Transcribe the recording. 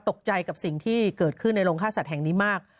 ตกใจกับสิ่งที่เกิดขึ้นในโรงฆ่าสัตว์แห่งนี้มาก